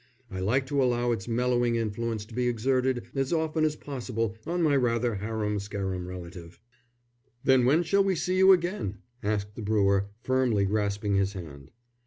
I like to allow its mellowing influence to be exerted as often as possible on my rather harum scarum relative." "Then when shall we see you again?" asked the brewer, firmly grasping his hand.